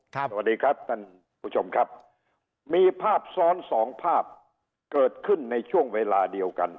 สวัสดีครับท่านผู้ชมครับมีภาพซ้อนสองภาพเกิดขึ้นในช่วงเวลาเดียวกัน